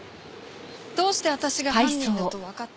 どうして私が犯人だとわかったの？